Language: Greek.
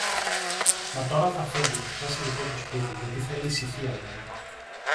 μα τώρα θα φύγει, θα πιάσει δικό του σπίτι γιατί θέλει ησυχία λέει.